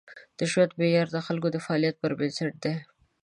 د ژوند معیاري د خلکو د فعالیتونو پر بنسټ دی.